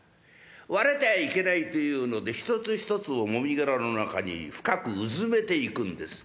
割れてはいけないというので一つ一つをもみ殻の中に深くうずめていくんです。